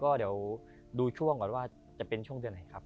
ก็เดี๋ยวดูช่วงก่อนว่าจะเป็นช่วงเดือนไหนครับ